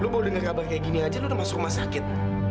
lo baru denger kabar kayak gini aja lo udah masuk rumah sakit